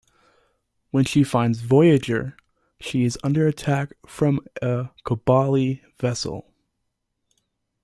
When she finds "Voyager", she is under attack from a Kobali vessel.